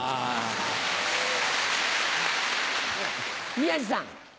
宮治さん。